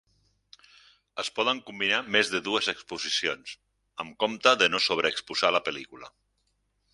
Es poden combinar més de dues exposicions, amb compte de no sobreexposar la pel·lícula.